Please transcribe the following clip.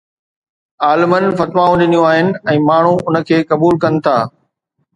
عالمن فتوائون ڏنيون آهن ۽ ماڻهو ان کي قبول ڪن ٿا